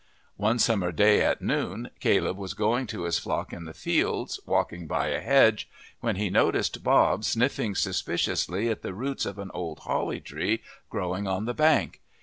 One summer day at noon Caleb was going to his flock in the fields, walking by a hedge, when he noticed Bob sniffing suspiciously at the roots of an old holly tree growing on the bank.